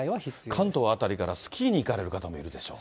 関東辺りからスキーに行かれる方もいるでしょう。